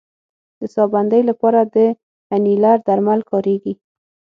د ساه بندۍ لپاره د انیلر درمل کارېږي.